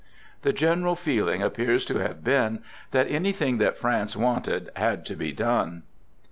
The general feeling appears to have been that anything that France wanted had to be done.